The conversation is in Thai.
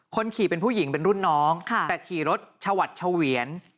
คนขี่เป็นผู้หญิงเป็นรุ่นน้องแต่ขี่รถชวัดเฉวียน